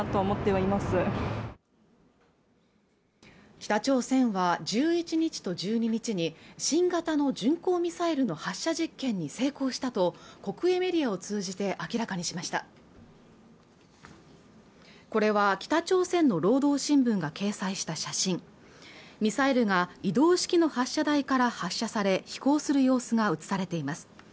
北朝鮮は１１日と１２日に新型の巡航ミサイルの発射実験に成功したと国営メディアを通じて明らかにしましたこれは北朝鮮の労働新聞が掲載した写真ミサイルが移動式の発射台から発射され飛行する様子が映されています